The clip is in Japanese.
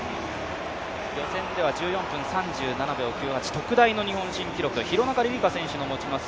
予選では１４分３７秒９８、特大の日本新記録、廣中璃梨佳選手の持ちます